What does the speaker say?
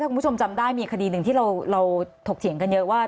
คุณผู้ชมจำได้มีคดีหนึ่งที่เราถกเถียงกันเยอะว่า